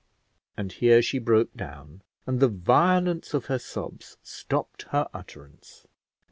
and here she broke down, and the violence of her sobs stopped her utterance.